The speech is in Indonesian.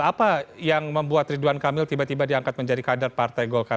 apa yang membuat ridwan kamil tiba tiba diangkat menjadi kader partai golkar